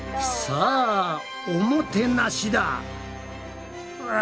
さあおもてなしだ！わ！